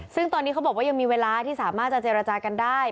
ซึ่งตอนนี้เขาบอกว่ายังมีเวลาที่สามารถจะเจรจากันได้